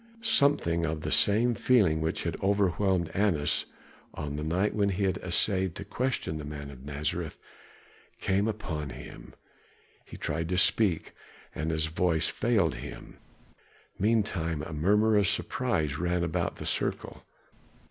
Something of the same feeling which had overwhelmed Annas on the night when he had essayed to question the man of Nazareth came upon him. He tried to speak, and his voice failed him. Meantime a murmur of surprise ran about the circle.